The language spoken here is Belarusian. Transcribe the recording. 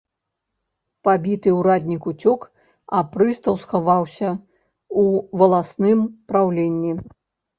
Пабіты ураднік уцёк, а прыстаў схаваўся ў валасным праўленні.